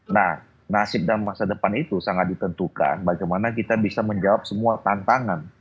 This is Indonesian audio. nah nasib dan masa depan itu sangat ditentukan bagaimana kita bisa menjawab semua tantangan